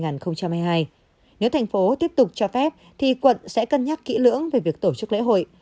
nếu thành phố tiếp tục cho phép thì quận sẽ cân nhắc kỹ lưỡng về việc tổ chức lễ hội